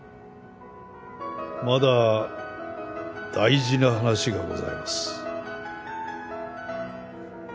まだ大事な話がございます。